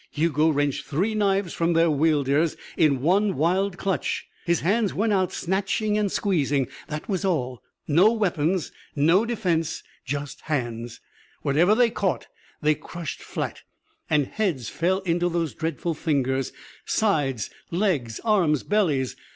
Hugo wrenched three knives from their wielders in one wild clutch. His hands went out, snatching and squeezing. That was all. No weapons, no defence. Just hands. Whatever they caught they crushed flat, and heads fell into those dreadful fingers, sides, legs, arms, bellies.